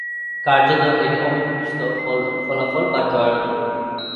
কার্যতঃ এটি অমীমাংসিত ফলাফল বা ড্রয়ের অনুরূপ।